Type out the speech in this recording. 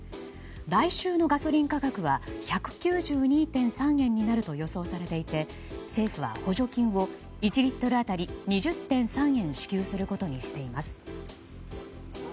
来週のガソリン価格は１９２．３円になると予想されていて、政府は補助金を１リットル当たり２０．３円支給することにしています。